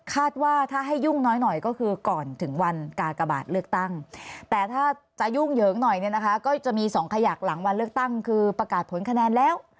คาดว่าถ้าให้ยุ่งน้อยหน่อยก็คือก่อนถึงวันกากบาทเลือกตั้งแต่ถ้าจะยุ่งเหยิงหน่อยเนี่ยนะคะก็จะมีสองขยักหลังวันเลือกตั้งคือประกาศผลคะแนนแล้ว